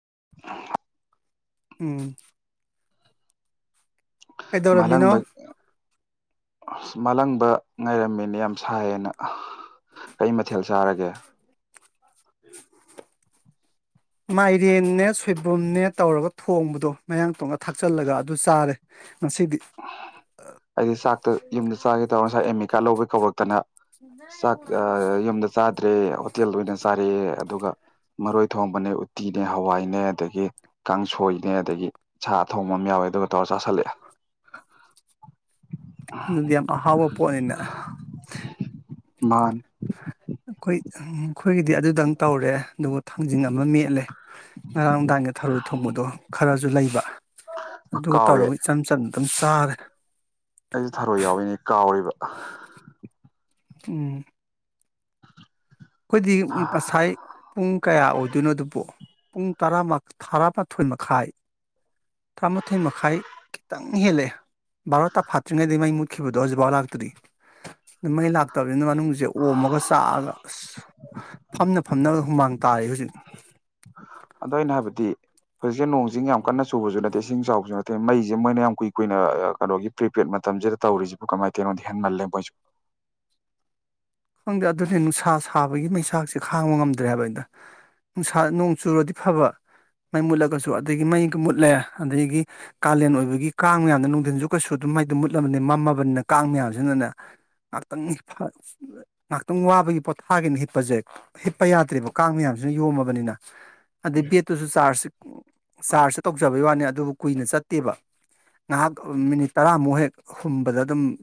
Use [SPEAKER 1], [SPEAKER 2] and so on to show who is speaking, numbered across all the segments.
[SPEAKER 1] [inaudible]
[SPEAKER 2] ꯎꯝ ꯀꯩꯗꯧꯔꯝꯃꯤꯅꯣ
[SPEAKER 1] ꯃꯥꯂꯪꯕ ꯃꯥꯂꯪꯕ ꯉꯥꯏꯔꯝꯃꯤꯅꯤ ꯌꯥꯝ ꯁꯥꯏꯌꯦꯅ ꯀꯩ ꯃꯊꯦꯜ ꯆꯥꯔꯒꯦ
[SPEAKER 2] ꯃꯥꯏꯔꯦꯟꯅꯦ ꯁꯣꯏꯕꯨꯝꯅꯦ ꯇꯧꯔꯒ ꯊꯣꯡꯕꯗꯣ ꯃꯌꯥꯡ ꯇꯣꯟꯒ ꯊꯥꯛꯆꯜꯂꯒ ꯑꯗꯨ ꯆꯥꯔꯦ ꯉꯁꯤꯗꯤ
[SPEAKER 1] ꯍꯥꯏꯗꯤ ꯆꯥꯛꯇꯨ ꯌꯨꯝꯗ ꯆꯥꯒꯦ ꯇꯧꯔ ꯉꯁꯥꯏ ꯑꯦꯝꯃꯤ ꯀꯩꯀꯥ ꯂꯧꯕꯩ ꯀꯧꯔꯛꯇꯅ ꯆꯥꯛ ꯑ ꯌꯨꯝꯗ ꯆꯥꯗ꯭ꯔꯦ ꯍꯣꯇꯦꯜꯗ ꯑꯣꯏꯅ ꯆꯥꯔꯛꯑꯦ ꯑꯗꯨꯒ ꯃꯔꯣꯏ ꯊꯣꯡꯕꯅꯦ ꯎꯇꯤꯅꯦ ꯍꯋꯥꯏꯅꯦ ꯑꯗꯒꯤ ꯀꯥꯡꯁꯣꯏꯅꯦ ꯑꯗꯒꯤ ꯁꯥ ꯊꯣꯡꯕ ꯑꯃ ꯌꯥꯎꯋꯦ ꯑꯗꯨꯒ ꯇꯧꯔ ꯆꯥꯥꯁꯜꯂꯛꯑꯦ
[SPEAKER 2] ꯑꯗꯨꯗꯤ ꯌꯥꯝ ꯑꯍꯥꯎꯕ ꯄꯣꯠꯅꯤꯅ
[SPEAKER 1] ꯃꯥꯥꯟ
[SPEAKER 2] ꯑꯩꯈꯣꯏ ꯑꯩꯈꯣꯏꯒꯤꯗꯤ ꯑꯗꯨꯗꯪ ꯇꯧꯔꯦ ꯗꯨꯒ ꯊꯥꯡꯖꯤꯡ ꯑꯃ ꯃꯦꯠꯂꯦ ꯉꯔꯥꯡ ꯅꯨꯡꯗꯥꯡꯒꯤ ꯊꯔꫭꯏ ꯊꯣꯡꯕꯗꯣ ꯈꯔꯁꯨ ꯂꯩꯕ ꯑꯗꯨ
[SPEAKER 1] ꯀꯥꯎꯋꯦ
[SPEAKER 2] ꯇꯧꯔꯒ ꯏꯆꯝ ꯆꯝ ꯀꯝꯁꯥꯔ
[SPEAKER 1] ꯑꯩꯁꯦ ꯊꯔꯣꯏ ꯌꯥꯎꯏꯅꯦ ꯀꯥꯎꯔꯤꯕ
[SPEAKER 2] ꯎꯝ ꯑꯩꯈꯣꯏꯗꯤ ꯉꯁꯥꯏ ꯄꯨꯡ ꯀꯌꯥ ꯑꯣꯏꯗꯣꯏꯅꯣ ꯑꯗꯨꯕꯨ ꯄꯨꯡ ꯇꯔ ꯇꯔꯥꯃꯥꯊꯣꯏ ꯃꯈꯥꯏ ꯇꯔꯥ ꯃꯥꯊꯣꯏ ꯃꯈꯥꯏ ꯈꯤꯇꯪ ꯪ ꯍꯦꯜꯂꯑꯦ ꯕꯥꯔꯣ ꯇꯐꯥꯠꯇ꯭ꯔꯤꯉꯩꯗꯒꯤ ꯃꯩ ꯃꯨꯠꯈꯤꯕꯗꯣ ꯍꯧꯖꯤꯛꯐꯥꯎ ꯂꯥꯛꯇꯗꯤ ꯑꯗꯨ ꯃꯩ ꯂꯥꯛꯇꯕ ꯃꯅꯨꯡꯁꯦ ꯑꯣꯝꯃꯒ ꯆꯥꯛꯑꯒ ꯑꯁ ꯐꯝꯅ ꯐꯝꯅꯕ ꯍꯨꯃꯥꯡ ꯇꯥꯔꯤ ꯍꯧꯖꯤꯛ
[SPEAKER 1] ꯍꯧꯖꯤꯛꯁꯤ ꯅꯣꯡ ꯆꯤꯡ ꯌꯥꯝ ꯀꯟꯅ ꯆꯨꯕꯁꯨ ꯅꯠꯇꯦ ꯏꯁꯤꯡ ꯆꯥꯎꯕꯁꯨ ꯅꯠꯇꯦ ꯃꯩꯁꯦ ꯃꯣꯏꯅ ꯌꯥꯝ ꯀꯨꯏ ꯀꯨꯏꯅ ꯀꯩꯅꯣꯒꯤ ꯄ꯭ꯔꯤꯄꯦꯗ ꯃꯇꯝꯁꯤꯗ ꯇꯧꯔꯤꯁꯤꯕꯨ ꯀꯃꯥꯏꯅ ꯇꯅꯣꯗꯤ ꯍꯦꯟꯃꯜꯂꯦ ꯃꯣꯏꯁꯨ
[SPEAKER 2] ꯈꯪꯗꯦ ꯑꯗꯨꯅꯦ ꯅꯨꯡꯁꯥ ꯁꯥꯕꯒꯤ ꯃꯩꯁꯥꯛꯁꯦ ꯈꯥꯡꯕ ꯉꯝꯗ꯭ꯔꯦ ꯍꯥꯏꯕꯅꯤꯗ ꯅꯨꯡꯁꯥ ꯅꯣꯡ ꯆꯨꯔꯗꯤ ꯐꯕ ꯃꯩ ꯃꯨꯠꯂꯒꯁꯨ ꯑꯗꯨꯗꯒꯤ ꯃꯩ ꯃꯨꯠꯂꯦ ꯑꯗꯒꯤ ꯀꯥꯂꯦꯟ ꯑꯣꯏꯕꯒꯤ ꯀꯥꯡ ꯃꯌꯥꯝꯗ ꯅꯨꯡꯊꯤꯟꯖꯨ ꯀꯩꯁꯨ ꯑꯗꯨꯝ ꯃꯩꯗ ꯃꯨꯠꯂꯕꯅꯤ ꯃꯝꯃꯕꯅꯤꯅ ꯀꯥꯡ ꯃꯌꯥꯝꯁꯤꯅꯅꯦ ꯉꯥꯏꯍꯥꯛꯇꯪ ꯉꯥꯏꯍꯥꯛꯇꯪ ꯋꯥꯕꯒꯤ ꯄꯣꯊꯥꯒꯦꯅ ꯍꯤꯞꯄꯁꯦ ꯍꯤꯞꯄ ꯌꯥꯗ꯭ꯔꯦꯕ ꯀꯥꯡ ꯃꯌꯥꯝꯁꯤꯅ ꯌꯣꯝꯃꯕꯅꯤꯅ ꯑꯗꯩ ꯕꯦꯠꯇꯨꯁꯨ ꯆꯥꯔ ꯆꯥꯔꯖꯁꯨ ꯇꯧꯖꯕꯩ ꯋꯥꯅꯤ ꯑꯗꯨꯕꯨ ꯀꯨꯏꯅ ꯆꯠꯇꯦꯕ ꯉꯥꯏꯍꯥꯛ ꯃꯤꯅꯤꯠ ꯇꯔꯥꯃꯨꯛ ꯍꯦꯛ ꯍꯨꯝꯕꯗ ꯑꯗꯨꯝ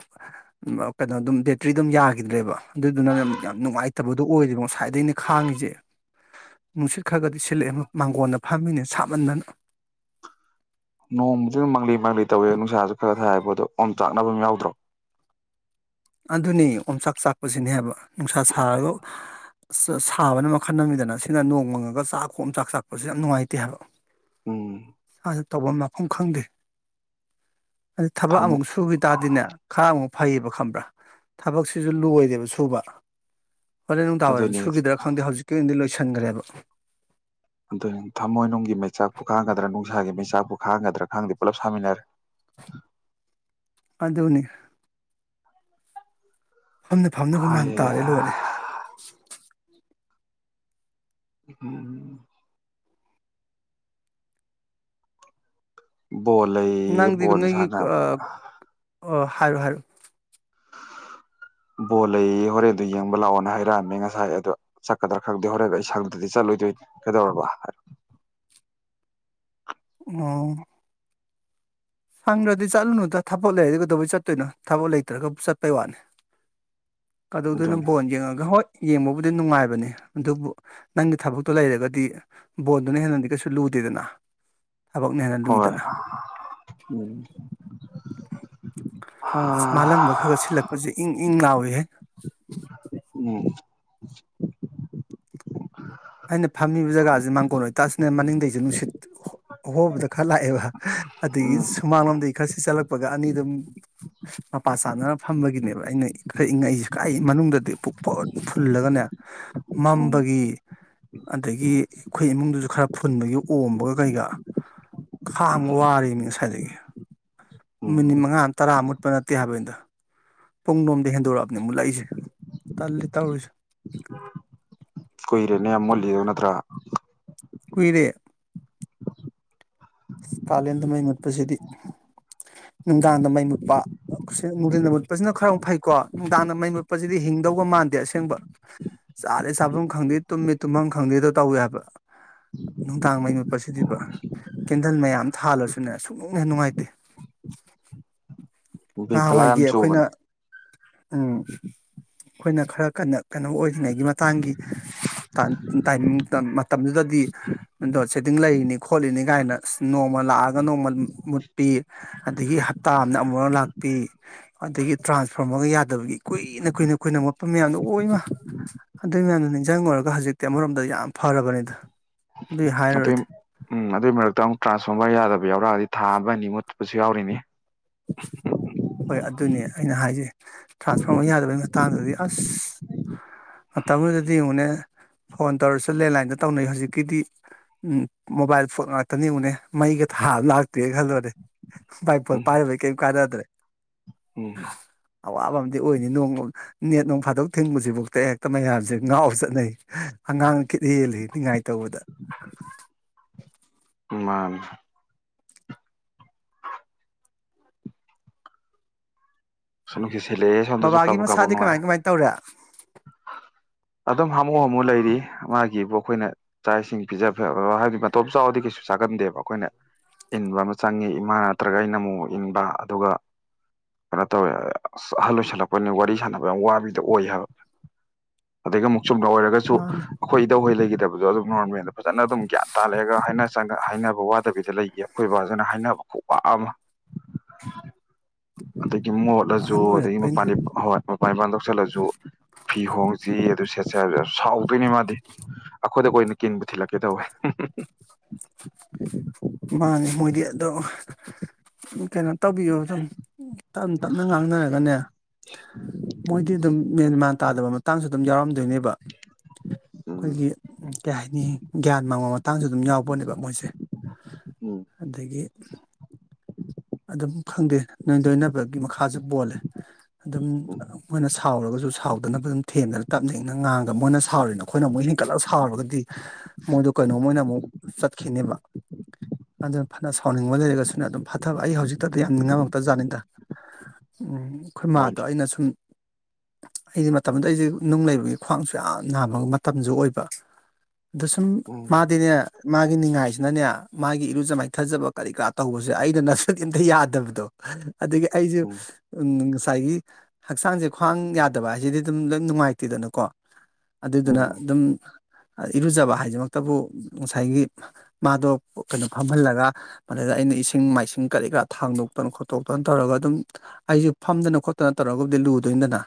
[SPEAKER 2] ꯀꯩꯅꯣ ꯑꯗꯨꯝ ꯕꯦꯇ꯭ꯔꯤ ꯑꯗꯨꯝ ꯌꯥꯈꯤꯗ꯭ꯔꯦꯕ ꯑꯗꯨꯗꯨꯅ ꯌꯥꯝ ꯅꯨꯡꯉꯥꯏꯇꯕꯗꯣ ꯑꯣꯏꯔꯕ ꯉꯁꯥꯏꯗ ꯑꯩꯅ ꯈꯥꯡꯉꯤꯁꯦ ꯅꯨꯡꯁꯤꯠ ꯈꯔꯒꯗꯤ ꯁꯤꯜꯂꯛꯑꯦ ꯃꯥꯡꯒꯣꯟꯜꯗ ꯐꯝꯃꯤꯅꯦ ꯁꯥꯃꯟꯗꯅ
[SPEAKER 1] ꯅꯣꯡꯃꯗꯤ ꯑꯗꯨꯝ ꯃꯪꯂꯤ ꯃꯥꯡꯂꯤ ꯇꯧꯋꯦ ꯅꯨꯡꯁꯥꯁꯨ ꯈꯔ ꯊꯥꯏꯕ ꯑꯗꯣ ꯑꯣꯝ ꯆꯥꯛꯅꯕꯝ ꯌꯥꯎꯗ꯭ꯔꯣ
[SPEAKER 2] ꯑꯗꯨꯅꯤ ꯑꯣꯝꯆꯥꯛ ꯆꯥꯛꯄꯁꯤꯅꯦ ꯍꯥꯏꯕ ꯅꯨꯡꯁꯥ ꯁꯥꯔꯒ ꯁꯥꯕꯅ ꯃꯈꯜ ꯑꯃꯅꯤꯗꯅ ꯁꯤꯅ ꯅꯣꯡꯃꯪꯉꯒ ꯆꯥꯛ ꯈꯣꯡ ꯑꯃ ꯆꯥꯛ ꯆꯥꯛꯄꯁꯦ ꯌꯥꯝ ꯅꯨꯡꯉꯥꯏꯇꯦ ꯍꯥꯏꯕ
[SPEAKER 1] ꯎꯝ
[SPEAKER 2] ꯇꯧꯕꯝ ꯂꯥꯛꯐꯝ ꯈꯪꯗꯦ ꯑꯗꯩ ꯊꯕꯛ
[SPEAKER 1] ꯊꯝꯃꯨ
[SPEAKER 2] ꯑꯃꯨꯛ ꯁꯨꯈꯤ ꯇꯥꯔꯗꯤꯅꯦ ꯈꯔ ꯑꯃꯨꯛ ꯐꯩꯌꯦꯕ ꯈꯪꯕ꯭ꯔꯥ ꯊꯕꯛꯁꯤꯁꯨ ꯂꯣꯏꯗꯦꯕ ꯁꯨꯕ ꯍꯣꯔꯦꯟ ꯅꯨꯡꯗꯥꯡꯋꯥꯏꯔꯝ
[SPEAKER 1] ꯑꯗꯨꯅꯤ
[SPEAKER 2] ꯁꯨꯈꯤꯗ꯭ꯔ ꯈꯪꯗꯦ ꯍꯧꯖꯤꯛꯀꯤ ꯑꯣꯏꯅꯗꯤ ꯂꯣꯏ ꯁꯟꯈ꯭ꯔꯦꯕ
[SPEAKER 1] ꯑꯗꯨ ꯊꯃꯣꯏꯅꯨꯡꯒꯤ ꯃꯩꯆꯥꯛꯄꯨ ꯈꯥꯡꯒꯗ꯭ꯔꯥ ꯅꯨꯡꯁꯥꯒꯤ ꯃꯩꯆꯥꯛꯄꯨ ꯈꯥꯡꯒꯗ꯭ꯔꯥ ꯈꯥꯡꯗꯦ ꯄꯨꯂꯞ ꯁꯥꯃꯤꯟꯅꯔꯦ
[SPEAKER 2] ꯑꯗꯨꯅꯤ ꯐꯝꯅ ꯐꯝꯅ ꯍꯨꯃꯟ ꯇꯥꯔꯦ ꯂꯣꯏꯔꯦ
[SPEAKER 1] ꯎꯝ ꯕꯣꯜ ꯂꯩꯌꯦ
[SPEAKER 2] ꯅꯪꯗꯤ
[SPEAKER 1] ꯕꯣꯜ
[SPEAKER 2] ꯅꯣꯏꯒꯤ
[SPEAKER 1] ꯁꯥꯟꯅꯕ
[SPEAKER 2] ꯑ ꯑꯣ ꯍꯥꯏꯔꯣ ꯍꯥꯏꯔꯣ
[SPEAKER 1] ꯕꯣꯜ ꯂꯩꯌꯦ ꯍꯣꯔꯦꯟꯗꯨ ꯌꯦꯡꯕ ꯂꯥꯛꯑꯣꯅ ꯍꯥꯏꯔꯛꯑꯝꯃꯦ ꯉꯁꯥꯏ ꯑꯗꯣ ꯆꯠꯀꯗ꯭ꯔꯥ ꯈꯪꯗꯦ ꯍꯣꯔꯦꯟꯗ ꯑꯩ ꯁꯪꯗꯗꯤ ꯆꯠꯂꯣꯏꯗꯣꯏ ꯀꯩꯗꯧꯔꯕ ꯍꯥꯏꯔꯛꯑꯣ
[SPEAKER 2] ꯑꯣ ꯁꯪꯗ꯭ꯔꯗꯤ ꯆꯠꯂꯨꯅꯨꯗ ꯊꯕꯛ ꯂꯩꯔꯗꯤ ꯀꯩꯗꯧꯕꯩ ꯆꯠꯇꯣꯏꯅꯣ ꯊꯕꯛ ꯂꯩꯇ꯭ꯔꯒ ꯆꯠꯄꯩ ꯋꯥꯅꯤ ꯀꯗꯧꯗꯣꯏꯅ
[SPEAKER 1] ꯑꯗꯨꯅꯤ
[SPEAKER 2] ꯕꯣꯟ ꯌꯦꯡꯉꯒ ꯍꯣꯏ ꯌꯦꯡꯕꯕꯨꯗꯤ ꯅꯨꯡꯉꯥꯏꯕꯅꯤ ꯑꯗꯨꯕꯨ ꯅꯪꯒꯤ ꯊꯕꯛꯇꯣ ꯂꯩꯔꯒꯗꯤ ꯕꯣꯟꯗꯨꯅ ꯍꯦꯟꯅꯗꯤ ꯀꯩꯁꯨ ꯂꯨꯗꯦꯗꯅ ꯊꯕꯛꯅ ꯍꯦꯟꯅ
[SPEAKER 1] ꯍꯣꯏ
[SPEAKER 2] ꯂꯨꯏꯗꯅ
[SPEAKER 1] ꯎꯝ ꯍꯥ
[SPEAKER 2] ꯃꯥꯜꯂꯪꯕ ꯈꯔ ꯈ ꯁꯤꯜꯂꯛꯄꯁꯦ ꯏꯪ ꯏꯪ ꯂꯥꯎꯦ ꯍꯦ
[SPEAKER 1] ꯎꯝ
[SPEAKER 2] ꯑꯩꯅ ꯐꯝꯃꯤꯕ ꯖꯒꯥꯁꯦ ꯃꯥꯡꯒꯣꯟ ꯑꯣꯏꯇꯥꯁꯤꯅꯦ ꯃꯅꯤꯡꯗꯩꯁꯦ ꯅꯨꯡꯁꯤꯠ ꯍꯣꯕꯗ ꯈꯔ ꯂꯥꯛꯑꯦꯕ ꯑꯗꯨꯗꯒꯤ
[SPEAKER 1] ꯎꯝ
[SPEAKER 2] ꯁꯨꯃꯥꯅꯣꯟꯗ ꯈꯔꯁꯤ ꯆꯠꯂꯛꯄꯒ ꯑꯅꯤ ꯑꯗꯨꯝ ꯃꯄꯥ ꯆꯥꯟꯅꯅ ꯐꯝꯕꯒꯤꯅꯦꯕ ꯑꯩꯅ ꯈꯔ ꯏꯪꯉꯛꯏꯁꯦ ꯀꯥꯏ ꯃꯅꯨꯡꯗꯗꯤ ꯄꯨꯛ ꯄꯨꯠ ꯐꯨꯜꯂꯒꯅꯦ
[SPEAKER 1] ꯎꯝ
[SPEAKER 2] ꯃꯝꯕꯒꯤ ꯑꯗꯒꯤ ꯑꯩꯈꯣꯏ ꯏꯃꯨꯡꯗꯨꯁꯨ ꯈꯔ ꯐꯨꯟꯕꯒꯤ ꯑꯣꯝꯕꯒ ꯀꯩꯒ ꯈꯥꯡ ꯋꯥꯔꯤꯅꯤ ꯉꯁꯥꯏꯗꯒꯤ ꯀꯨꯇ꯭ꯔ ꯃꯤꯅꯤꯠ
[SPEAKER 1] ꯎꯝ
[SPEAKER 2] ꯃꯉꯥ ꯇꯔꯥꯃꯨꯛ ꯅꯠꯇꯦ ꯍꯥꯏꯕꯗ ꯄꯨꯡꯂꯣꯝꯗ ꯍꯦꯟꯗꯣꯔꯛꯑꯕꯅꯦ ꯑꯃꯨꯛꯠꯂꯛꯏꯁꯦ ꯇꯜꯂꯤ ꯇꯧꯔꯨꯔꯤꯁꯦ
[SPEAKER 1] ꯀꯨꯏꯔꯦꯅꯦ ꯌꯥꯝ ꯃꯣꯜꯂꯤꯗꯣ ꯅꯠꯇ꯭ꯔꯥ
[SPEAKER 2] ꯀꯨꯏꯔꯦ ꯀꯥꯂꯦꯟꯗ ꯃꯩ ꯃꯨꯠꯄꯁꯤꯗꯤ ꯅꯨꯡꯗꯥꯡꯗ ꯃꯩ ꯃꯨꯠꯄ ꯅꯨꯡꯊꯤꯟꯗ ꯃꯨꯠꯄꯁꯤꯅ ꯈꯔ ꯐꯩꯀꯣ ꯅꯨꯡꯗꯥꯡꯗ ꯃꯩ ꯃꯨꯠꯄꯁꯤꯗꯤ ꯍꯤꯡꯗꯧꯕ ꯃꯥꯟꯗꯦ ꯑꯁꯦꯡꯕ ꯆꯥꯔꯦ ꯆꯥꯐꯝ ꯈꯪꯗꯦ ꯇꯨꯝꯃꯦ ꯇꯨꯝꯐꯝ ꯈꯪꯗꯦꯗꯣ ꯇꯧꯋꯦ ꯍꯥꯏꯕ ꯅꯨꯡꯗꯥꯡ ꯃꯩ ꯃꯨꯠꯄꯁꯤꯗꯤꯕ ꯟꯗꯜ ꯃꯌꯥꯝ ꯊꯥꯜꯂꯁꯨꯅꯦ ꯁꯨꯛꯅꯤꯡ ꯍꯦꯟꯅ ꯅꯨꯡꯉꯥꯏꯇꯦ
[SPEAKER 1] ꯕꯤ ꯐꯂꯥ
[SPEAKER 2] ꯅꯍꯥꯟꯋꯥꯏꯒꯤ
[SPEAKER 1] ꯌꯥꯝ
[SPEAKER 2] ꯑꯩꯈꯣꯏꯅ
[SPEAKER 1] ꯆꯨꯕꯅꯦ
[SPEAKER 2] ꯎꯝ ꯑꯩꯈꯣꯏꯅ ꯈꯔ ꯀꯟꯅ ꯀꯩꯅꯣ ꯑꯣꯏꯔꯤ꯭ꯔꯤꯉꯩꯒꯤ ꯃꯇꯥꯡꯒꯤ ꯇꯥꯏꯃꯤꯡ ꯃꯇꯝꯗꯨꯗꯗꯤ ꯗꯣ ꯁꯦꯠꯇꯤꯡ ꯂꯩꯔꯤꯅꯤ ꯈꯣꯠꯂꯤꯅꯤ ꯀꯥꯏꯅ ꯅꯣꯡꯃ ꯂꯥꯛꯑꯒ ꯅꯣꯡꯃ ꯃꯨꯠꯄꯤ ꯑꯗꯒꯤ ꯍꯞꯇꯥ ꯑꯃꯅ ꯑꯃꯨꯛ ꯂꯥꯛꯄꯤ ꯑꯗꯒꯤ ꯇ꯭ꯔꯥꯟꯁꯐ ꯐꯔꯝꯃꯒ ꯌꯥꯗꯕꯒꯤ ꯀꯨꯏꯅ ꯀꯨꯏꯅ ꯀꯨꯏꯅ ꯃꯣꯠꯐꯝ ꯃꯌꯥꯝꯗꯣ ꯂꯃ ꯑꯗꯨꯏ ꯃꯌꯥꯝꯗꯣ ꯅꯤꯡꯁꯤꯡꯉꯨꯔꯒ ꯍꯧꯖꯤꯛꯇꯤ ꯑꯃꯔꯣꯝꯗ ꯌꯥꯝ ꯐꯔꯕꯅꯤꯗ
[SPEAKER 1] ꯑꯗꯨꯏ ꯎꯝ ꯑꯗꯨꯏ ꯃꯔꯛꯇ ꯑꯃꯨꯛ ꯇ꯭ꯔꯥꯟꯁꯐꯣꯔꯃꯔ ꯌꯥꯗꯕ ꯌꯥꯎꯔꯛꯑꯗꯤ ꯊꯥ ꯑꯃ ꯑꯅꯤ ꯃꯨꯠꯄꯁꯨ ꯌꯥꯎꯔꯤꯅꯤ
[SPEAKER 2] ꯍꯣꯏ ꯑꯗꯨꯅꯦ ꯑꯩꯅ ꯍꯥꯏꯖꯩ ꯇ꯭ꯔꯥꯟꯁꯐꯣꯔꯔꯃꯔ ꯌꯥꯗꯕꯩ ꯃꯇꯥꯡꯗꯨꯗꯤ ꯑꯁ ꯃꯇꯝꯗꯨꯗꯗꯤ ꯌꯦꯡꯉꯛꯅꯦ ꯐꯣꯟ ꯇꯧꯔꯁꯨ ꯂꯦꯟꯂꯥꯏꯟꯗ ꯇꯧꯅꯩ ꯍꯧꯖꯤꯛꯀꯤꯗꯤ ꯃꯣꯕꯥꯏꯜ ꯉꯥꯛꯇꯅꯤ ꯌꯦꯡꯉꯛꯅꯦ ꯃꯩꯒ ꯊꯥꯕ ꯂꯥꯛꯇꯦ ꯈꯜꯂꯗꯤꯦ ꯥꯏ ꯐꯣꯜ ꯄꯥꯏꯔ ꯀ ꯀꯥꯟ
[SPEAKER 1] ꯍ ꯍ
[SPEAKER 2] ꯑꯋꯥꯕ ꯑꯃꯗꯤ ꯑꯣꯏꯅꯤ ꯅꯣꯡ ꯅꯦꯠ ꯅꯨꯡ ꯐꯥꯗꯣꯛ ꯊꯤꯡꯕꯁꯤꯐꯥꯎꯗ ꯍꯦꯛꯇ ꯃꯌꯥꯝꯁꯦ ꯉꯥꯎ ꯆꯠꯅꯩ ꯑꯉꯥꯡ ꯀꯦꯠꯍꯦꯜꯜꯂꯤꯅꯤꯡꯉꯥꯏ ꯇꯧꯕꯗ
[SPEAKER 1] ꯃꯥ ꯁꯂ
[SPEAKER 2] ꯕꯕꯥꯒꯤ ꯃꯁꯥꯗꯤ ꯀꯃꯥꯏ ꯀꯃꯥꯏ ꯇꯧꯔꯦ
[SPEAKER 1] ꯑꯗꯨꯝ ꯍꯥꯃꯨ ꯍꯥꯃꯨ ꯂꯩꯔꯤ ꯃꯥꯒꯤꯕꯨ ꯑꯩꯈꯣꯏꯅ ꯆꯥꯛ ꯏꯁꯤꯡ ꯄꯤꯖ ꯍꯥꯏꯕꯗꯤ ꯃꯇꯣꯞ ꯆꯥꯎꯕꯗꯤ ꯀꯩꯁꯨ ꯆꯥꯒꯟꯗꯦꯕ ꯑꯩꯈꯣꯏꯅ ꯏꯟꯕ ꯑꯃ ꯆꯪꯉꯤ ꯏꯃꯥ ꯅꯠꯇ꯭ꯔꯒ ꯑꯩꯅ ꯑꯃꯨꯛ ꯏꯟꯕ ꯑꯗꯨꯒ ꯧꯋ ꯑꯍꯜ ꯑꯣꯏꯁꯜꯂꯛꯄꯅꯤꯅ ꯋꯥꯔꯤ ꯁꯥꯟꯅꯕ ꯌꯥꯝ ꯋꯥꯕꯤꯗ ꯑꯣꯏ ꯍꯥꯏꯕ ꯑ ꯆꯨꯝꯅ ꯑꯣꯏꯔꯒꯁꯨ
[SPEAKER 2] ꯃꯥꯅꯦ
[SPEAKER 1] ꯑꯩꯈꯣꯏ ꯏꯗꯧꯍꯣꯏ ꯂꯩꯈꯤꯗꯕ ꯑꯗꯨ ꯑꯗꯨꯣꯔꯃꯃꯦꯅ ꯐꯖꯅ ꯑꯗꯨꯝ ꯒ꯭ꯌꯥꯟ ꯇꯥꯜꯂꯦꯒ ꯍꯥꯏꯅ ꯆꯪꯉꯦ ꯍꯥꯏꯅꯕ ꯋꯥꯗꯕꯤꯗ ꯂꯩꯒ ꯑꯩꯈꯣꯏ ꯕꯥꯖꯅ ꯍꯥꯏꯅꯕ ꯈꯣꯛ ꯋꯥ ꯑꯃ ꯑ ꯃꯣꯠꯂꯁꯨ
[SPEAKER 2] ꯑꯍꯟ
[SPEAKER 1] ꯑꯗꯨꯗꯒꯤ
[SPEAKER 2] ꯑꯣꯏꯔꯛꯄꯩꯅꯤ
[SPEAKER 1] ꯃꯄꯥꯟꯋꯥꯠꯄ ꯃꯥꯏ ꯃꯥꯡꯗꯧꯁꯤꯜꯂꯁꯨ ꯐꯤ ꯍꯣꯡꯁꯤ ꯑꯗꯨ ꯁꯦ ꯁꯥꯎꯗꯣꯏꯅꯦ ꯃꯥꯗꯤ ꯑꯩꯈꯣꯏꯗ ꯀ ꯑꯣꯏꯅ ꯀꯤꯟꯕ ꯊꯤꯜꯂꯛꯀꯦ ꯇꯧꯋꯦ
[SPEAKER 2] ꯃꯥꯅꯦꯅꯤ ꯃꯣꯏꯗꯤꯌꯥꯗ ꯀꯩꯅꯣ ꯇꯧꯕꯤꯌꯣ ꯑꯗꯨꯝ ꯇꯞ ꯇꯞꯅ ꯉꯥꯡꯅꯔꯒꯅꯦ ꯃꯣꯏꯗꯤ ꯑꯗꯨꯝ ꯃꯦꯟꯃꯥꯔ ꯇꯥꯗꯕ ꯃꯇꯥꯡꯁꯨ ꯑꯗꯨꯝ ꯌꯥꯎꯔꯝꯦ ꯑꯗꯨꯅꯦꯕ
[SPEAKER 1] ꯎꯝ
[SPEAKER 2] ꯑꯩꯈꯣꯏꯒꯤ ꯀꯩ ꯍꯥꯏꯅꯤ ꯒ꯭ꯌꯥꯟ ꯃꯥꯡꯕ ꯃꯇꯥꯡꯁꯨ ꯑꯗꯨꯝ ꯌꯥꯎꯕꯅꯦꯕ ꯃꯣꯏꯁꯦ
[SPEAKER 1] ꯎꯝ
[SPEAKER 2] ꯑꯗꯨꯗꯒꯤ [inaudible] ꯑꯗꯨꯝ ꯈꯪꯗꯦ ꯅꯣꯏ ꯇꯣꯏꯅꯕꯒꯤ ꯃꯈꯥꯁꯨ ꯄꯣꯜꯂꯦ ꯑꯗꯨꯝ
[SPEAKER 1] ꯎꯝ
[SPEAKER 2] ꯃꯣꯏꯅ ꯁꯥꯎꯔꯒꯁꯨ ꯁꯥꯎꯗꯅꯕ ꯑꯗꯨꯝ ꯊꯦꯝꯗꯅ ꯇꯞꯅ ꯏꯅ ꯉꯥꯡꯉꯒ ꯃꯣꯏꯅ ꯁꯥꯎꯔꯤꯅ ꯑꯩꯈꯣꯏꯅ ꯑꯃꯨꯛ ꯍꯦꯟꯀꯠꯂꯒ ꯁꯥꯎꯔꯒꯗꯤ ꯃꯣꯏꯗꯣ ꯀꯩꯅꯣꯝꯃꯅ ꯑꯃꯨꯛ ꯆꯠꯈꯤꯅꯦꯕ ꯑꯗꯨꯅ ꯐꯅ ꯁꯥꯎꯅꯤꯡꯕ ꯂꯩꯔꯒꯁꯨꯅ ꯑꯗꯨꯝ ꯐ ꯊꯕ ꯑꯩ ꯍꯧꯖꯤꯛꯇꯗꯤ ꯌꯥꯝ ꯉꯥꯡꯝꯃꯛꯇꯖꯥꯠꯅꯤꯗ ꯎꯝ ꯑꯩꯈꯣꯏ ꯃꯥꯥꯗꯣ
[SPEAKER 1] ꯃꯣꯏꯗꯤ
[SPEAKER 2] ꯑꯩꯅ ꯁꯨꯝ ꯑꯩꯗꯤ ꯃꯇꯝꯗ ꯑꯩꯁꯦ ꯅꯨꯡ ꯂꯩꯕꯒꯤ ꯈ꯭ꯋꯥꯡꯁꯨ ꯌꯥꯝ ꯅꯥꯕ ꯃꯇꯝꯁꯨ ꯑꯣꯏꯕ ꯑꯗꯨ ꯁꯨꯝ
[SPEAKER 1] ꯎꯝ
[SPEAKER 2] ꯃꯥꯗꯤꯅꯦ ꯃꯥꯒꯤ ꯅꯤꯡꯉꯥꯏꯁꯤꯅꯅꯦ ꯃꯥꯒꯤ ꯏꯔꯨꯖ ꯃꯥꯏꯊꯖꯕ ꯀꯔꯤ ꯀꯔꯥ ꯇꯧꯕꯁꯦ ꯑꯩ ꯑ ꯅꯁꯛ ꯏꯟꯇ ꯌꯥꯗꯕꯗꯣ ꯑꯗꯒꯤ ꯑꯩꯁꯦ
[SPEAKER 1] ꯎꯝ
[SPEAKER 2] ꯎ ꯉꯁꯥꯏꯒꯤ ꯍꯛꯆꯥꯡꯁꯦ ꯈ꯭ꯋꯥꯡ ꯌꯥꯗꯕ ꯍꯥꯏꯁꯤꯗꯤ ꯑꯗꯨꯝ ꯂꯣꯏ ꯅꯨꯡꯉꯥꯏꯇꯦꯗꯅꯀꯣ ꯑꯗꯨꯗꯨꯅ ꯑꯗꯨꯝ ꯏꯔꯨꯖꯕ ꯍꯥꯏꯁꯤꯃꯛꯇꯕꯨ ꯉꯁꯥꯏꯒꯤ ꯃꯥꯗꯣ ꯀꯩꯅꯣ ꯐꯝꯍꯜꯂꯒ ꯃꯗ ꯑꯩꯅ ꯁꯤꯡ ꯃꯥꯏꯁꯤꯡ ꯀꯔꯤ ꯀꯔꯥ ꯊꯥꯡꯗꯣꯛꯇꯅ ꯈꯣꯠꯇꯣꯛꯇꯅ ꯇꯧꯔꯒ ꯑꯗꯨꯝ ꯑꯩꯁꯨꯦ ꯐꯝꯗꯅ ꯈꯣꯠꯇꯅ ꯇꯧꯔꯒꯕꯨꯗꯤ ꯂꯨꯗꯣꯏꯗꯅ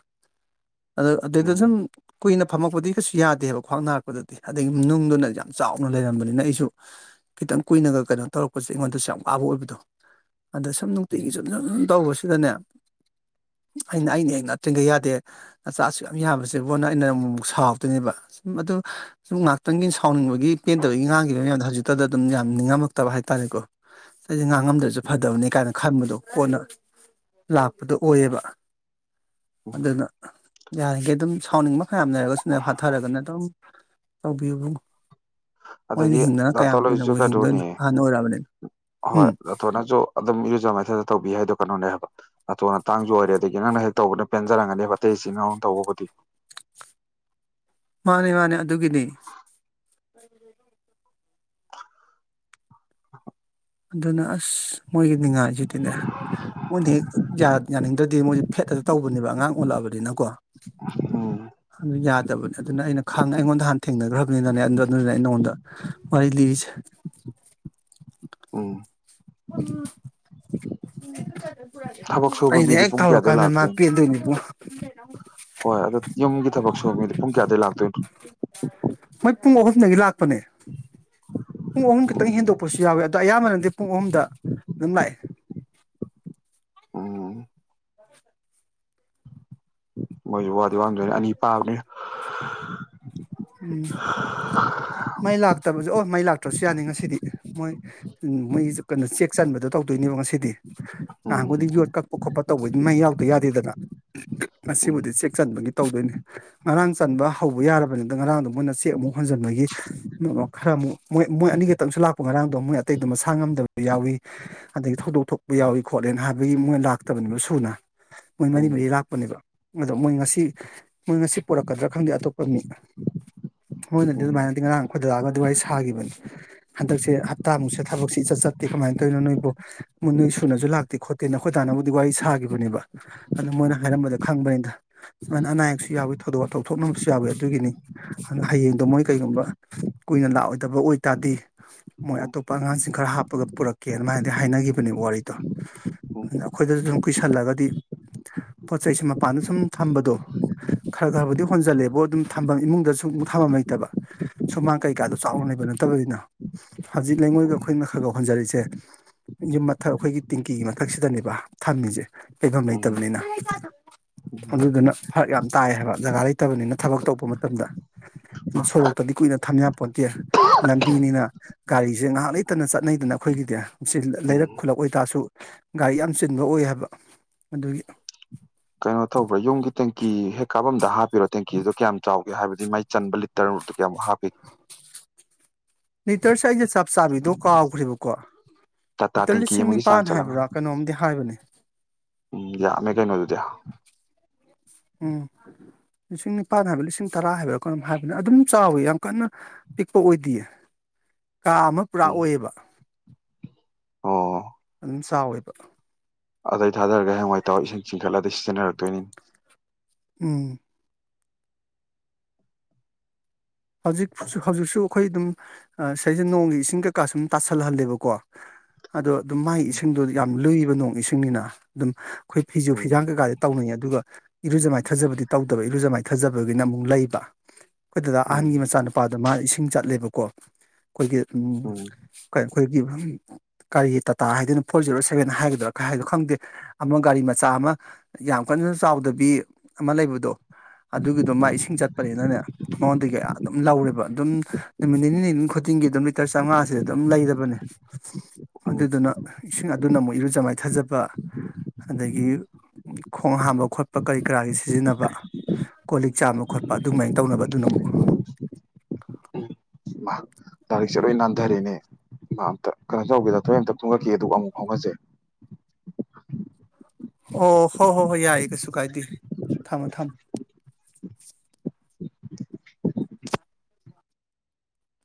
[SPEAKER 2] ꯑꯗꯨ
[SPEAKER 1] ꯎꯝ
[SPEAKER 2] ꯑꯗꯨꯗ ꯁꯨꯝ
[SPEAKER 1] ꯎꯝ
[SPEAKER 2] ꯀꯨꯏꯅ ꯐꯝꯃꯛꯄꯗꯤ ꯀꯩꯁꯨ ꯌꯥꯗꯦꯕ ꯈ꯭ꯋꯥꯡ ꯅꯥꯔꯛꯄꯗꯗꯤ ꯑꯗꯒꯤ ꯅꯨꯡꯗꯨꯅ ꯌꯥꯝ ꯆꯥꯎꯅ ꯂꯩꯔꯝꯕꯅꯤꯅ ꯑꯩꯁꯨ ꯈꯤꯇꯪ ꯀꯨꯏꯅꯒ ꯀꯩꯅꯣ ꯇꯧꯔꯛꯄꯁꯦ ꯑꯩꯉꯣꯟꯗꯁꯨ ꯌꯥꯝ ꯄꯥꯕ ꯑꯣꯏꯕꯗꯣ ꯑꯗ ꯁꯨꯝ ꯅꯨꯡꯇꯤꯒꯤ ꯁꯨꯝꯅ ꯑꯗꯨꯝ ꯇꯧꯕꯁꯨ ꯁꯤꯗꯅꯦ ꯑꯩꯅ ꯑꯩꯅ ꯍꯦꯛ ꯉꯥꯛꯠꯇ꯭ꯔꯤꯉꯩ ꯌꯥꯗꯦ ꯑꯆꯥꯁꯨ ꯌꯥꯝ ꯌꯥꯕꯁꯦꯕꯣꯟꯅ ꯑꯩꯅ ꯑꯃꯛ ꯑꯃꯨꯛ ꯁꯥꯎꯗꯣꯏꯅꯦꯕ ꯁꯨꯝ ꯑꯗꯨ ꯁꯨꯝ ꯉꯥꯏꯍꯥꯛꯇꯪꯒꯤ ꯁꯥꯎꯅꯤꯡꯕꯒꯤ ꯄꯦꯟꯗꯕꯒꯤ ꯉꯥꯡꯈꯤꯕꯒꯤ ꯃꯌꯥꯝꯗꯣ ꯍꯧꯖꯤꯛꯇꯗ ꯑꯗꯨꯝ ꯌꯥꯝ ꯅꯤꯡꯉꯝꯃꯛꯇꯕ ꯍꯥꯏꯇꯥꯔꯦꯀꯣ ꯑꯩꯁꯦ ꯉꯥꯡꯉꯝꯗ꯭ꯔꯁꯨ
[SPEAKER 1] ꯎꯝ
[SPEAKER 2] ꯐꯗꯕꯅꯤ ꯀꯥꯏꯅ ꯈꯟꯕꯗꯣ ꯀꯣꯟꯅ ꯂꯥꯛꯄꯗꯨ ꯑꯣꯏꯌꯦꯕ
[SPEAKER 1] ꯎꯝ
[SPEAKER 2] ꯑꯗꯨꯅ ꯌꯥꯔꯤꯈꯩ ꯑꯗꯨꯝ ꯁꯥꯎꯅꯤꯡꯕ ꯍꯝꯅꯔꯦꯒꯣꯅ ꯐꯊꯔꯒꯣꯅꯝ ꯇꯧꯕꯤꯌꯨꯕꯨ ꯃꯣꯏꯅ
[SPEAKER 1] ꯑꯗꯒꯤ
[SPEAKER 2] ꯍꯤꯡꯗꯅ ꯀꯌꯥꯝ
[SPEAKER 1] ꯅꯥꯇꯣꯟ ꯍꯣꯏꯁꯨ
[SPEAKER 2] ꯀꯨꯏꯅꯕꯨ
[SPEAKER 1] ꯀꯩꯅꯣꯅꯦ ꯍꯣꯏ
[SPEAKER 2] ꯎꯝ
[SPEAKER 1] ꯑꯗꯣ ꯅꯪꯁꯨ ꯑꯗꯨꯝ ꯏꯔꯨꯖ ꯃꯥꯏꯗꯥ ꯇꯧꯕꯤ ꯍꯥꯏꯗꯣ ꯀꯩꯅꯣꯅꯦ ꯍꯥꯏꯕ ꯑꯇꯣꯅꯇꯥꯡꯁꯨ ꯑꯣꯏꯔꯦ ꯑꯗꯒꯤ ꯅꯪꯅ ꯍꯦꯛ ꯇꯧꯕꯅ ꯄꯦꯟꯖꯔꯝꯒꯅꯦꯕ ꯑꯇꯩ ꯏꯆꯤꯅꯥꯎꯅ ꯇꯧꯕꯕꯨꯗꯤ
[SPEAKER 2] ꯃꯥꯅꯦ ꯃꯥꯅꯦ ꯑꯗꯨꯒꯤꯅꯦ
[SPEAKER 1] [unintelligible]
[SPEAKER 2] ꯑꯗꯨꯅꯤ ꯑꯁ ꯃꯣꯏꯒꯤ ꯅꯤꯡꯉꯥꯏꯁꯤꯗꯤꯅꯦ ꯃꯣꯏꯗꯤ ꯍꯦꯛ ꯌꯥꯅꯤꯡꯗ꯭ꯔꯗꯤ ꯃꯣꯏ ꯐꯦꯠ ꯍꯦꯛꯇ ꯇꯧꯕꯅꯦꯕ ꯑꯉꯥꯡ ꯑꯣꯜꯂꯛꯑꯕꯅꯤꯅꯀꯣ
[SPEAKER 1] ꯎꯝ
[SPEAKER 2] ꯑꯗꯨ ꯌꯥꯗꯕꯅꯦ ꯑꯗꯨꯅ ꯑꯩꯅ ꯈꯥꯡ ꯑꯩꯉꯣꯟꯗ ꯍꯥꯟꯅ ꯊꯦꯡꯅꯈ꯭ꯔꯕꯅꯤꯅꯅꯦ ꯑꯗꯨ ꯑꯗꯨꯅꯤꯅ ꯑꯩꯅ ꯅꯪꯉꯣꯟꯗ ꯋꯥꯔꯤ ꯂꯤꯔꯤꯁꯦ
[SPEAKER 1] ꯎꯝ
[SPEAKER 2] [unintelligible]
[SPEAKER 1] ꯊꯕꯛ ꯁꯨꯕ
[SPEAKER 2] ꯑꯩꯅ
[SPEAKER 1] ꯃꯤꯗꯤ
[SPEAKER 2] ꯍꯦꯛ
[SPEAKER 1] ꯄꯨꯡ
[SPEAKER 2] ꯇꯧꯔ
[SPEAKER 1] ꯀꯌꯥꯗꯩ
[SPEAKER 2] ꯀꯥꯟꯗ ꯃꯥ
[SPEAKER 1] ꯂꯥꯛꯇꯣꯏꯅꯣ
[SPEAKER 2] ꯄꯦꯟꯗꯣꯏꯅꯦ ꯏꯕꯨꯡꯉꯣ [unintelligible]
[SPEAKER 1] ꯍꯣꯏ ꯑꯗꯨ ꯌꯨꯝꯒꯤ ꯊꯕꯛ ꯁꯨꯉꯗ ꯄꯨꯡ ꯀꯌꯥꯗꯩ ꯂꯥꯛꯇꯣꯏꯅꯣ
[SPEAKER 2] ꯃꯣꯏ ꯄꯨꯡ ꯑꯍꯨꯝꯗꯒꯤ ꯂꯥꯛꯄꯅꯦ ꯄꯨꯡ ꯑꯍꯨꯝ ꯈꯤꯇꯪ
[SPEAKER 1] ꯎꯝ
[SPEAKER 2] ꯍꯦꯟꯗꯣꯛꯄꯁꯨ ꯌꯥꯎꯋꯤ ꯑꯗꯣ ꯑꯌꯥꯝꯕꯅꯗꯤ ꯄꯨꯡ ꯑꯍꯨꯝꯗ ꯑꯗꯨꯝ ꯂꯥꯛꯑꯦ
[SPEAKER 1] ꯎꯝ ꯃꯣꯏꯁꯨ ꯋꯥꯗꯤ ꯋꯥꯝꯗꯣꯏꯅꯦ ꯑꯅꯤ ꯄꯥꯕꯅꯤꯅ
[SPEAKER 2] ꯎꯝ ꯃꯩ ꯂꯥꯛ ꯑꯣ ꯃꯩ ꯂꯥꯛꯇ꯭ꯔꯁꯨ ꯌꯥꯅꯤ ꯉꯁꯤꯗꯤ ꯃꯣꯏ ꯃꯣꯏ ꯀꯩꯅꯣ ꯆꯦꯛ ꯆꯟꯕꯗꯣ ꯇꯧꯗꯣꯏꯅꯦꯕ ꯉꯁꯤꯗꯤ
[SPEAKER 1] ꯎꯝ
[SPEAKER 2] ꯅꯍꯥꯟꯕꯨꯗꯤ ꯌꯣꯠ ꯀꯛꯄ ꯈꯣꯠꯄ ꯇꯧꯕꯩꯗꯤ ꯃꯩ ꯌꯥꯎꯗ ꯌꯥꯗꯦꯗꯅ
[SPEAKER 1] ꯎꯝ
[SPEAKER 2] ꯉꯁꯤꯕꯨꯗꯤ ꯆꯦꯛ ꯆꯟꯕꯒꯤ ꯇꯧꯗꯣꯏꯅꯤ ꯉꯔꯥꯡ ꯆꯟꯕ ꯍꯧꯕ ꯌꯥꯔꯕꯅꯤꯅ ꯉꯔꯥꯡꯗꯣ ꯃꯣꯏꯅ ꯆꯦꯛ ꯑꯃꯨꯛ ꯍꯣꯟꯖꯤꯟꯕꯒꯤ ꯈꯔ ꯑꯃꯨꯛ ꯃꯣꯏ ꯃꯣꯏ ꯑꯅꯤꯈꯛꯇꯪꯁꯨ ꯂꯥꯛꯄ ꯉꯔꯥꯡꯗꯣ ꯃꯣꯏ ꯑꯇꯩꯗꯨꯣ ꯃꯁꯥ ꯉꯝꯗꯕ ꯌꯥꯎꯏ ꯑꯗꯒꯤ ꯊꯧꯗꯣꯛ ꯊꯣꯛꯄ ꯌꯥꯎꯏꯤ ꯈꯣꯠꯂꯦꯅ ꯍꯥꯏꯕꯒꯤ ꯃꯣꯏ ꯂꯥꯛꯇꯕꯅꯦꯕ ꯁꯨꯅ ꯃꯣꯏ ꯃꯔꯤ
[SPEAKER 1] ꯎꯝ
[SPEAKER 2] ꯃꯔꯤ ꯂꯥꯛꯄꯅꯦꯕ ꯑꯗꯣ ꯃꯣꯏ ꯉꯁꯤ ꯃꯣꯏ ꯉꯁꯤ ꯄꯔꯛꯀꯗ꯭ꯔꯥ ꯈꯪꯗꯦ ꯑꯇꯣꯞꯄ ꯃꯤ ꯃꯣꯏꯅꯗꯤ
[SPEAKER 1] ꯎꯝ
[SPEAKER 2] ꯑꯗꯨꯃꯥꯏꯅꯗꯤ ꯉꯔꯥꯡ ꯈꯣꯏꯗꯔꯛꯑꯒ ꯑꯗꯨ ꯋꯥꯔꯤ ꯁꯥꯈꯤꯕꯅꯤ ꯍꯟꯗꯛꯁꯦ ꯍꯞꯇꯥꯃꯨꯛꯁꯦ ꯊꯕꯛꯁꯦ ꯏꯆꯠ ꯆꯠꯇꯦ ꯀꯃꯥꯏꯅ ꯇꯧꯔꯤꯅꯣ ꯅꯣꯏꯕꯨ ꯃꯣꯏ ꯅꯣꯏ ꯁꯨꯅꯁꯨ ꯂꯥꯛꯇꯦ ꯈꯣꯠꯇꯦ ꯅꯈꯣꯏ ꯇꯥꯅꯕꯨꯗꯤ ꯋꯥꯔꯤ ꯁꯥꯈꯤꯕꯅꯦꯕ ꯑꯗꯨ ꯃꯣꯏꯅ
[SPEAKER 1] ꯎꯝ ꯎꯝ
[SPEAKER 2] ꯍꯥꯏꯔꯝꯕꯗ ꯈꯪꯕꯅꯤꯗ ꯁꯨꯃꯥꯏꯅ ꯑꯅꯥ ꯑꯌꯦꯛꯁꯨ ꯌꯥꯎꯤ ꯊꯧꯗꯣꯛ ꯋꯥ ꯇꯧꯊꯣꯛꯅꯕꯁꯨ ꯌꯥꯎꯋꯤ ꯑꯗꯨꯒꯤꯅꯤ ꯍꯌꯦꯡꯗꯣ ꯃꯣꯏ ꯀꯩꯒꯨꯝꯕ ꯀꯨꯏꯅ ꯂꯥꯛꯑꯣꯏꯗꯕ ꯑꯣꯏꯇꯥꯔꯗꯤ ꯃꯣꯏ ꯑꯇꯣꯞꯄ ꯑꯉꯥꯡꯁꯤꯡ ꯈꯔ ꯍꯥꯞꯄꯒ ꯄꯨꯔꯛꯀꯦ ꯑꯗꯨꯃꯥꯏꯅꯗꯤ ꯍꯥꯏꯅꯈꯤꯕꯅꯦꯕ ꯋꯥꯔꯤꯗꯣ ꯑꯗꯨꯗ ꯑꯩꯈꯣꯏꯗꯁꯨ ꯑꯗꯨꯨꯝ ꯀꯨꯏꯁꯜꯂꯒꯗꯤ ꯄꯣꯠ ꯆꯩꯁꯦ ꯃꯄꯥꯟꯗ ꯁꯨꯝ ꯊꯝꯕꯗꯣ ꯈꯔ ꯈꯔꯕꯨꯗꯤ ꯍꯣꯟꯖꯜꯂꯦꯕꯣ ꯑꯗꯨꯝ ꯊꯝꯕ ꯏꯃꯨꯡꯗꯁꯨ ꯑꯃꯨꯛ ꯊꯥꯐꯝ ꯂꯩꯇꯕ ꯁꯨꯃꯥꯡ ꯀꯩꯀꯥꯗꯣ ꯆꯥꯎꯅ ꯂꯩꯕ ꯅꯠꯇꯕꯅꯤꯅ ꯍꯧꯖꯤꯛ ꯂꯩꯉꯣꯏꯒ ꯑꯩꯈꯣꯏꯅ ꯈꯔꯒ ꯍꯣꯟꯖꯜꯔꯤꯁꯦ ꯌꯨꯝ ꯃꯊꯛ ꯑꯩꯈꯣꯏꯒꯤ ꯇꯤꯡꯀꯤꯒꯤ ꯃꯊꯛꯁꯤꯗꯅꯦꯕ ꯊꯝꯃꯤꯁꯦ ꯂꯩꯩꯐꯝ
[SPEAKER 1] ꯎꯝ ꯎꯝ
[SPEAKER 2] ꯂꯩꯇꯕꯅꯤꯅ
[SPEAKER 1] ꯎꯝ
[SPEAKER 2] ꯑꯗꯨꯗꯨꯅ ꯐꯔꯛ ꯌꯥꯝ ꯇꯥꯏ ꯍꯥꯏꯕ ꯖꯒꯥ ꯂꯩꯇꯕꯅꯤꯅ ꯊꯕꯛ ꯇꯧꯕ ꯇꯝꯗ ꯑꯥ ꯁꯣꯔꯣꯛꯇꯗꯤ ꯀꯨꯏꯅ ꯊꯝꯌꯥꯄꯣꯠꯇꯦ ꯂꯝꯕꯤꯅꯤꯅ ꯒꯥꯔꯤꯁꯦ ꯉꯥꯏꯍꯥꯛ ꯂꯩꯇꯅ ꯆꯠꯅꯩꯗꯅ ꯑꯩꯈꯣꯏꯒꯤꯗꯤ ꯁꯤ
[SPEAKER 1] ꯎꯝ
[SPEAKER 2] ꯂꯩꯔꯛ ꯈꯨꯜꯂꯛ ꯑꯣꯏꯇꯥꯔꯁꯨ ꯒꯥꯔꯤ ꯌꯥꯝ ꯆꯤꯟꯕ ꯑꯣꯏ ꯍꯥꯏꯕ ꯑꯗꯨꯒꯤ
[SPEAKER 1] ꯀꯩꯅꯣ ꯇꯧꯕ꯭ꯔꯥ ꯌꯨꯝꯒꯤ ꯇꯦꯡꯀꯤ ꯍꯦꯛ ꯀꯥꯄꯝꯗ ꯍꯥꯞꯄꯤꯔꯣ ꯇꯦꯡꯀꯤꯗꯨꯗꯣ ꯀꯌꯥꯝ ꯆꯥꯎꯒꯦ ꯍꯥꯏꯕꯗꯤ ꯃꯥꯏ ꯆꯟꯕ ꯂꯤꯇꯔꯗ ꯀꯌꯥꯃꯨꯛ ꯍꯥꯞꯄꯤꯒꯦ
[SPEAKER 2] ꯂꯤꯇꯔꯁꯦ ꯑꯩꯁ ꯆꯞ ꯆꯥꯕꯤꯗꯣ ꯀꯥꯎꯈ꯭ꯔꯦꯕꯀꯣ
[SPEAKER 1] ꯇꯥꯇꯥ
[SPEAKER 2] ꯂꯤꯇꯔ
[SPEAKER 1] ꯇꯦꯡꯀꯤ
[SPEAKER 2] ꯂꯤꯁꯤꯡ
[SPEAKER 1] ꯑꯃꯒꯤ ꯆꯥꯡ
[SPEAKER 2] ꯅꯤꯄꯥꯟ
[SPEAKER 1] ꯆꯜꯂꯝꯒꯅꯤ
[SPEAKER 2] ꯍꯥꯏꯕ꯭ꯔꯥ ꯀꯩꯅꯣꯝꯗꯤ ꯍꯥꯏꯕꯅꯦ
[SPEAKER 1] ꯎꯝ ꯌꯥ ꯃ ꯀꯩ ꯅꯠꯇꯨ ꯇꯌꯥ
[SPEAKER 2] ꯎꯝ ꯂꯤꯁꯤꯡ ꯅꯤꯄꯥꯜ ꯍꯥꯏꯕꯥ ꯂꯤꯁꯤꯡ ꯇꯔꯥ ꯍꯥꯏꯕ꯭ꯔꯥ ꯀꯩꯅꯣꯝ ꯍꯥꯏꯕꯅꯦ ꯑꯗꯨꯝ ꯆꯥꯎꯋꯤ ꯌꯥꯝ ꯀꯥꯟꯅ ꯄꯤꯛꯄ ꯑꯣꯏꯗꯤꯌꯦ ꯀꯥ ꯑꯃ ꯄꯨꯔꯥ
[SPEAKER 1] ꯎꯝ
[SPEAKER 2] ꯑꯣꯏꯌꯦꯕ
[SPEAKER 1] ꯑꯣ
[SPEAKER 2] ꯌꯥꯝ ꯆꯥꯎꯋꯦꯕ
[SPEAKER 1] ꯑꯗꯩ ꯊꯥꯗꯔꯒ ꯍꯥꯌꯦꯡꯋꯥꯏ ꯇꯧꯔ ꯏꯁꯤꯡ ꯆꯤꯡꯈꯠꯂꯗꯤ ꯀꯥꯟꯅꯔꯛ ꯇꯣꯏꯅꯤ
[SPEAKER 2] ꯎꯝ ꯍꯧꯖꯤꯛ ꯍꯧꯖꯛꯁꯨ ꯑꯩꯈꯣꯏ ꯗꯨꯝ ꯁꯩꯁ ꯅꯣꯡꯒꯤ ꯏꯁꯤꯡ ꯀꯩꯀꯥ ꯁꯨꯝ ꯇꯥꯁꯜꯍꯜꯂꯦꯕꯀꯣ ꯑꯗꯣ ꯑꯗꯨꯝ ꯃꯥꯏ ꯏꯁꯤꯡꯗꯣ ꯌꯥꯝ ꯂꯨꯏꯌꯦ ꯅꯣꯡ ꯏꯁꯤꯡꯅꯤꯅ ꯑꯗꯨꯝ ꯑꯩꯈꯣꯏ ꯐꯤꯖꯨ
[SPEAKER 1] ꯎꯝ
[SPEAKER 2] ꯐꯤꯖꯥꯡ ꯀꯩꯀꯥꯥꯗꯤ ꯇꯧꯅꯩꯌꯦ ꯑꯗꯨꯒ꯫ ꯏꯔꯨꯖꯃꯥꯏꯊꯥꯖꯕꯗꯤ ꯇꯧꯗꯕ ꯏꯔꯨꯖ ꯃꯥꯏ ꯊꯥꯖꯕꯒꯤꯅ ꯑꯃꯨꯛ ꯂꯩꯕ ꯈꯣꯏꯗ꯫
[SPEAKER 1] ꯎꯝ
[SPEAKER 2] ꯑꯍꯟꯒꯤ ꯃꯆꯥ ꯅꯨꯄꯥ꯫ ꯑꯗ ꯃꯥ ꯏꯁꯤꯡ ꯆꯠꯂꯦꯕꯀꯣ ꯑꯩꯈꯣꯏꯒꯤ
[SPEAKER 1] ꯎꯝ
[SPEAKER 2] ꯀꯩ꯫ ꯑꯩꯈꯣꯏꯒꯤ ꯀꯥꯔꯤ ꯇꯥꯇꯥ ꯍꯥꯏꯗꯣꯏꯅꯣ ꯐꯣꯔ ꯖꯦꯔꯣ ꯁꯚꯦꯟ ꯍꯥꯏꯒꯗ꯭ꯔꯥ ꯀꯩꯍꯥꯏꯒꯗ꯭ꯔꯥ ꯈꯪꯗꯦ ꯑꯃ ꯒꯥꯔꯤ ꯃꯆꯥ ꯑꯃ ꯌꯥꯝ ꯀꯟꯅ ꯆꯥꯎꯗꯕꯤ ꯑꯃ ꯂꯩꯕꯗꯣ꯫ ꯑꯗꯨꯒꯤꯗꯣ ꯃꯥ
[SPEAKER 1] ꯎꯝ
[SPEAKER 2] ꯏꯁꯤꯡ ꯆꯠꯄꯅꯤꯅꯥꯅꯦ꯫ ꯀꯌꯥ ꯑꯗꯨꯝ ꯂꯧꯔꯦꯕ ꯑꯗꯨꯝ ꯅꯨꯃꯤꯠ ꯅꯤꯅꯤ ꯅꯤꯅꯤ ꯈꯨꯗꯤꯡꯒꯤ ꯑꯗꯨꯝ ꯂꯤꯇꯔ ꯆꯥꯝꯉꯥꯥꯁꯦ ꯑꯗꯨꯝ ꯂꯩꯔꯕꯅꯦ
[SPEAKER 1] ꯎꯝ
[SPEAKER 2] ꯑꯗꯨꯗꯨꯅ ꯏꯁꯤꯡ ꯑꯗꯨꯅ ꯑꯃꯣꯏ ꯏꯔꯨꯖ ꯃꯥꯏꯊꯖꯕ ꯑꯗꯒꯤ ꯈꯣꯡ ꯍꯥꯝꯕ ꯈꯣꯠꯄ ꯀꯔꯤ ꯀꯔꯥꯒꯤ ꯁꯤꯖꯤꯟꯅꯕ ꯀꯣꯜ ꯂꯤꯛ ꯆꯥꯝꯕ ꯈꯣꯠꯄ ꯑꯗꯨꯃꯥꯏꯅ ꯇꯧꯅꯕ ꯑꯗꯨꯅ ꯑꯃꯨꯛ꯫
[SPEAKER 1] ꯎꯝ ꯃꯥ ꯇꯥꯔꯤꯛꯁꯦ ꯂꯣꯏ ꯅꯥꯟꯊꯔꯦꯅꯦ ꯃꯥ ꯑꯝꯇ ꯀꯩꯅꯣ ꯇꯧꯒꯦꯔ ꯊꯣꯏ ꯑꯝꯇ ꯈꯨꯡꯒꯠꯈꯤꯒꯦ ꯑꯗꯨꯒ ꯑꯃꯨꯛ ꯐꯥꯎꯅꯁꯦ꯫
[SPEAKER 2] ꯑꯣ ꯍꯣꯏ ꯍꯣꯏ ꯍꯣꯏ ꯌꯥꯏꯌꯦ ꯀꯩꯁꯨ ꯀꯥꯏꯗꯦ ꯊꯝꯃꯣ ꯊꯝꯃꯣ꯫